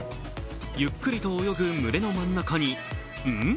ゆっくりと泳ぐ群れの真ん中に、んんっ？